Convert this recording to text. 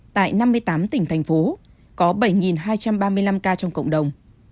tại năm mươi tám tỉnh thành phố có bảy hai trăm ba mươi năm ca trong cộng đồng